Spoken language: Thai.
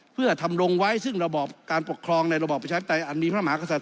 เพื่อทำรงไว้ซึ่งระบอบการปกครองในระบอบประชาธิปไตยอันมีพระมหากษัตริย